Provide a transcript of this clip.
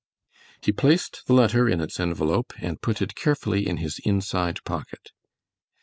He placed the letter in its envelope and put it carefully in his inside pocket.